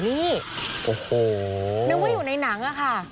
นึกว่าอยู่ในนั้ง